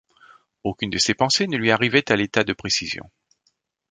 Aucune de ces pensées ne lui arrivait à l’état de précision.